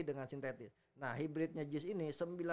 dengan sintetis nah hybridnya gis ini